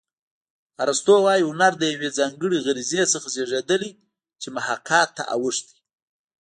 ارستو وايي هنر له یوې ځانګړې غریزې څخه زېږېدلی چې محاکات ته اوښتې